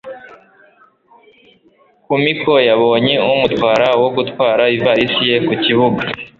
Kumiko yabonye umutwara wo gutwara ivalisi ye ku kibuga.